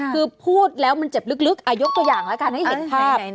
คือพูดแล้วมันเจ็บลึกยกตัวอย่างแล้วกันให้เห็นภาพ